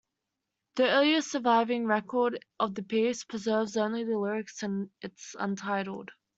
The earliest surviving record of the piece preserves only the lyrics and is untitled.